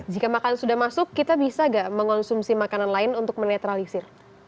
jika makan sudah masuk kita bisa nggak mengonsumsi makanan lain untuk menetralisir